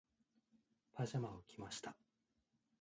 パジャマを着ました。